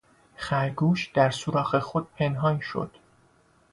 خرگوش در سوراخ خود پنهان شد.